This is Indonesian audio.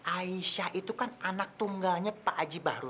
aisyah itu kan anak tungganya pak haji barun